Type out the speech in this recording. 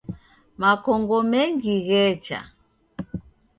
Makongo mengi ghecha.